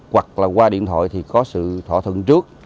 hoặc là qua điện thoại thì có sự thỏa thuận trước